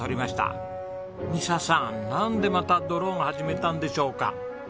美砂さんなんでまたドローン始めたんでしょうか？